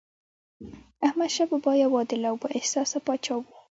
احمدشاه بابا یو عادل او بااحساسه پاچا و.